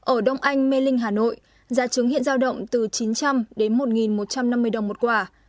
ở đông anh mê linh hà nội giá trứng hiện giao động từ chín trăm linh đến một một trăm năm mươi đồng một quả